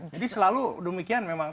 jadi selalu demikian memang